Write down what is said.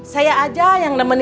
saya ada yang nanti mau ke rumah